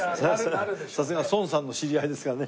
さすが孫さんの知り合いですからね。